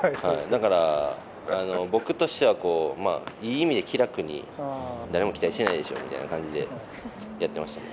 だから、僕としてはいい意味で気楽に、誰も期待してないでしょみたいな感じで、やってましたね。